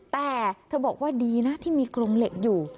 แต่เธอบอกว่าดีนะที่มีกรงเหล็กอยู่